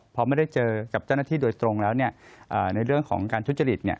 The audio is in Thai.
พอไม่ได้เจอกับเจ้าหน้าที่โดยตรงแล้วในเรื่องของการทุจริต